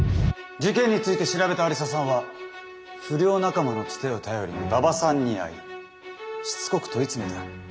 事件について調べた愛理沙さんは不良仲間のツテを頼りに馬場さんに会いしつこく問い詰めた。